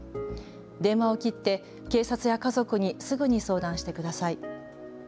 電話を切って警察や家族にすぐに相談してください。